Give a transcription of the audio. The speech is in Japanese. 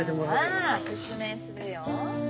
じゃあ説明するよ。